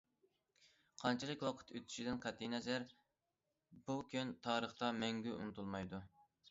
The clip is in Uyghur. قانچىلىك ۋاقىت ئۆتۈشىدىن قەتئىينەزەر بۇ كۈن تارىختا مەڭگۈ ئۇنتۇلمايدۇ.